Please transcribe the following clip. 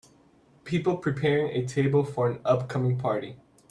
People preparing a table for an upcoming party.